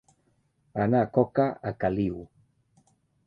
Anar coca a caliu.